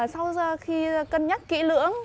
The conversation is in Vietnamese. sau khi cân nhắc kỹ lưỡng